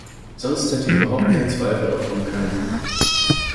Sonst hätte überhaupt kein Zweifel aufkommen können.